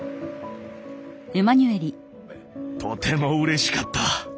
とてもうれしかった。